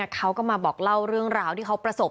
เขาก็มาบอกเล่าเรื่องราวที่เขาประสบ